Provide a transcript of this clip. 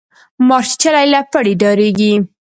ـ مارچيچلى له پړي ډاريږي.